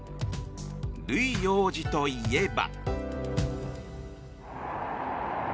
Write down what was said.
ルイ王子といえば。